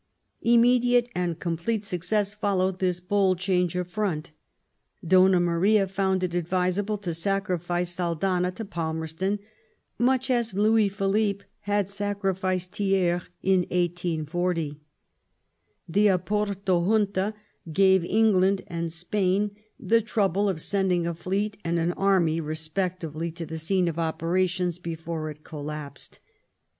Immediate and complete success followed this bold change of front. Donna Maria found it advisable to sacrifice Saldanha to Palmerston, much as Louis Phi lippe had sacrificed Thiers in 1840. The Oporto Junta gave England and Spain the trouble of sending a fleet and an army respectively to the scene of operations before it collapsed.